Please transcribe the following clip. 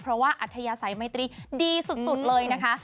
เพราะว่าอัธยาศัยไมตรีดีสุดเลยนะคะ